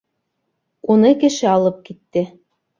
— Уны кеше алып китте.